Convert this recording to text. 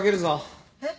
えっ？